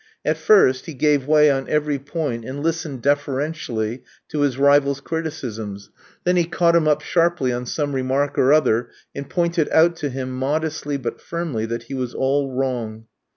At first he gave way on every point, and listened deferentially to his rival's criticisms, then he caught him up sharply on some remark or other, and pointed out to him modestly but firmly that he was all wrong.